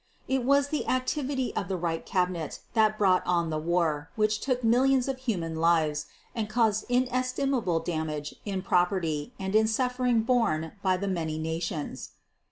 It was the activity of the Reich Cabinet that brought on the war which took millions of human lives and caused inestimable damage in property and in suffering borne by the many Nations.